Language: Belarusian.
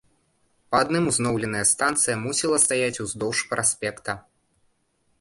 Па адным узноўленая станцыя мусіла стаяць уздоўж праспекта.